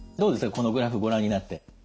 このグラフご覧になって。